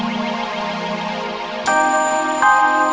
jangan terlalu mudah